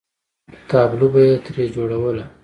تابلو به یې ترې جوړوله.